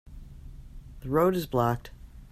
The road is blocked.